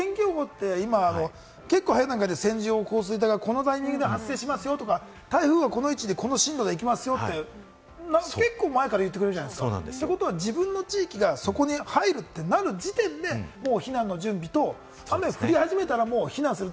天気予報は早い段階で線状降水帯がこのタイミングで発生しますよ、台風がこの位置で進路で行きますよというのは結構前から言ってくれるじゃないですか、自分の地域がそこに入るとなる時点で避難の準備と雨降り始めたら、避難する。